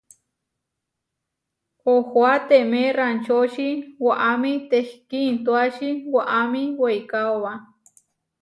Ohoáteme raančoči waʼamí tehkíintuači waʼámi weikaóba.